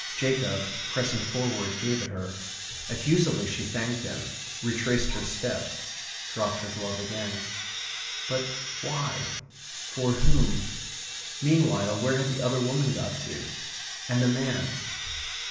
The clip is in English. Jacob, pressing forward, gave it her. Effusively she thanked him; retraced her steps; dropped her glove again. But why? For whom? Meanwhile, where had the other woman got to? And the man?